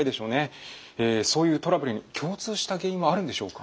そういうトラブルに共通した原因はあるんでしょうか？